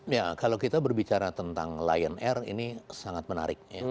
ya kalau kita berbicara tentang lion air ini sangat menarik ya